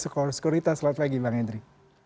sekuritas selamat pagi bang hendry